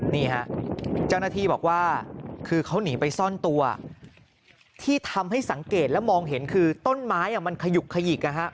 นี่ฮะเจ้าหน้าที่บอกว่าคือเขาหนีไปซ่อนตัวที่ทำให้สังเกตและมองเห็นคือต้นไม้มันขยุกขยิก